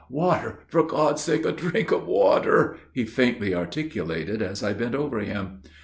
"Water, for God's sake, a drink of water!" he faintly articulated, as I bent over him.